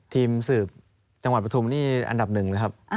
ทีมสืบจังหวัดปฐุมนี่อันดับหนึ่งนะครับ